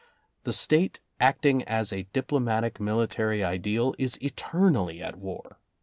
The State, acting as a diplomatic military ideal, is eternally at war.